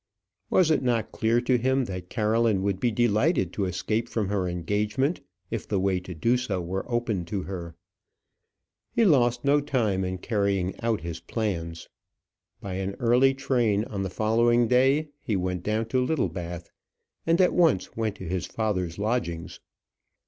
Was it not clear to him that Caroline would be delighted to escape from her engagement if the way to do so were opened to her? He lost no time in carrying out his plans. By an early train on the following day he went down to Littlebath, and at once went to his father's lodgings.